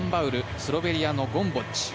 スロベニアのゴムボッチ。